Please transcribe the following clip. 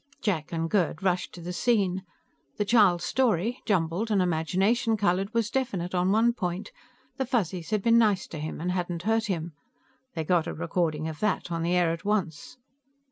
Jack and Gerd rushed to the scene. The child's story, jumbled and imagination colored, was definite on one point the Fuzzies had been nice to him and hadn't hurt him. They got a recording of that on the air at once.